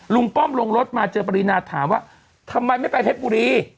ป้อมลงรถมาเจอปรินาถามว่าทำไมไม่ไปเพชรบุรี